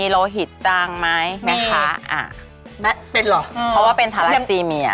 โรงพยาบาลพญาไทย๑๒